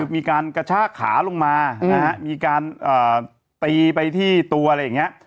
มีการกระชากขาลงมามีการตีไปที่ตัวอะไรอย่างนี้